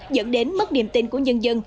dẫn đến mất niềm tin của nhân dân